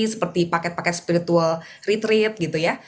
seperti paket paket spiritual retreat gitu ya